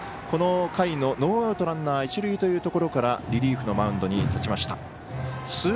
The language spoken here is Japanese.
この回のノーアウトランナー、一塁というところからリリーフのマウンドに立ちました。